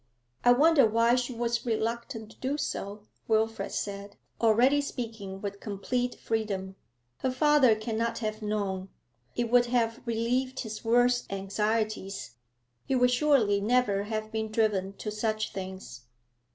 'I wonder why she was reluctant to do so?' Wilfrid said, already speaking with complete freedom. 'Her father cannot have known; it would have relieved his worst anxieties; he would surely never have been driven to such things.'